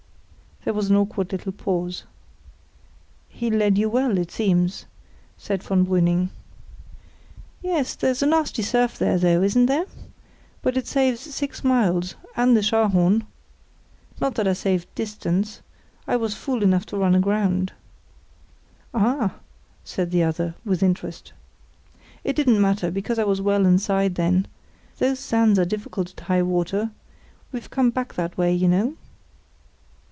There was an awkward little pause. "He led you well, it seems?" said von Brüning. "Yes; there's a nasty surf there, though, isn't there? But it saves six miles—and the Scharhorn. Not that I saved distance. I was fool enough to run aground." "Ah!" said the other, with interest. "It didn't matter, because I was well inside then. Those sands are difficult at high water. We've come back that way, you know."